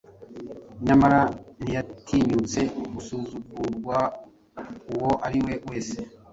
nyamara ntiyatinyutse gusuzugurauwo ari we wese